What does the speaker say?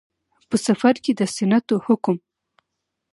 په. سفر کې د سنتو حکم